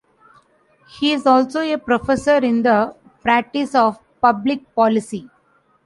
He is also a Professor in the Practice of Public Policy.